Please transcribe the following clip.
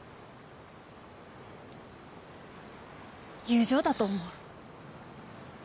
友情だと思う。